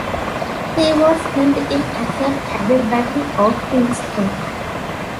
He was killed in action at the Battle of Princeton.